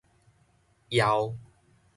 曜